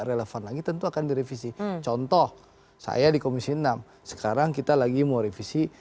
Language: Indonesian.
relevan lagi tentu akan direvisi contoh saya di komisi enam sekarang kita lagi mau revisi